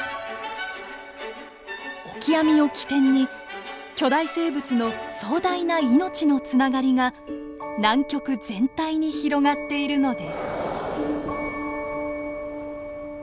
オキアミを起点に巨大生物の壮大な命のつながりが南極全体に広がっているのです。